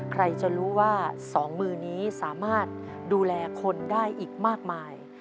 ใครจะรู้ว่าสองมือนี้สามารถดูแลคนได้อีกมากมาย